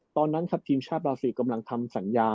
ตอนนั้นครับทีมชาติบราซิลกำลังทำสัญญา